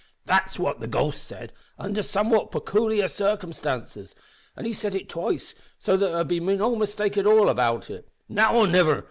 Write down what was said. "That's what the ghost said, under somewhat pecooliar circumstances; an' he said it twice so that there might be no mistake at all about it. `Now or niver!